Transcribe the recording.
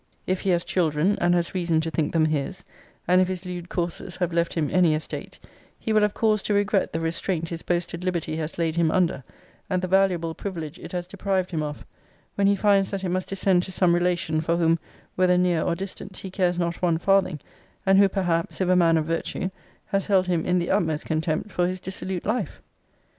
If he has children, and has reason to think them his, and if his lewd courses have left him any estate, he will have cause to regret the restraint his boasted liberty has laid him under, and the valuable privilege it has deprived him of; when he finds that it must descend to some relation, for whom, whether near or distant, he cares not one farthing; and who perhaps (if a man of virtue) has held him in the utmost contempt for his dissolute life.